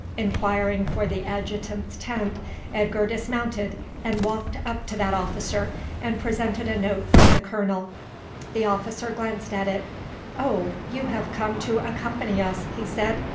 Inquiring for the adjutant's tent Edgar dismounted and walked up to that officer, and presented a note from the colonel. The officer glanced at it. "Oh, you have come to accompany us!" he said.